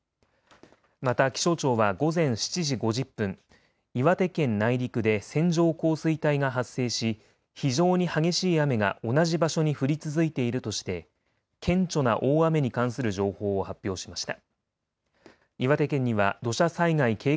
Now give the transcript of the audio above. また気象庁は午前７時５０分、岩手県内陸で線状降水帯が発生し非常に激しい雨が同じ場所に降り続いているとして顕著な大雨に関する情報を発表しました。